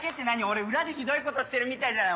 俺裏でひどいことしてるみたいじゃない。